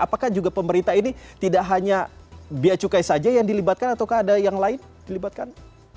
apakah juga pemerintah ini tidak hanya biaya cukai saja yang dilibatkan ataukah ada yang lain dilibatkan